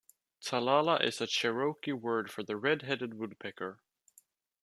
"Talala" is a Cherokee word for the Red-Headed Woodpecker.